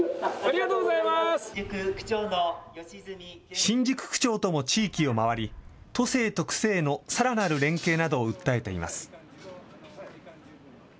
新宿区長とも地域を回り、都政と区政のさらなる連携などを訴えています。